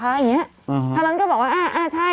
อย่างเงี้ยอ่าฮะถ้าแล้วก็บอกว่าอ่าอ่าใช่